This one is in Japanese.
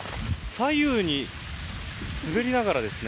左右に滑りながらですね